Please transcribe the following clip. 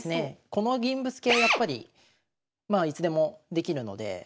この銀ぶつけはやっぱりまあいつでもできるので。